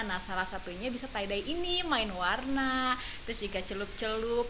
nah salah satunya bisa tie dy ini main warna terus juga celup celup